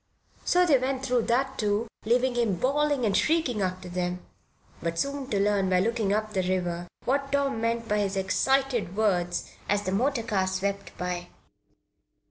So they went through that, too, leaving him bawling and shrieking after them, but soon to learn by looking up the river what Tom meant by his excited words as the motor car swept by.